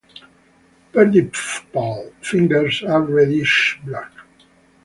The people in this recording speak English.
Pedipalp fingers are reddish black.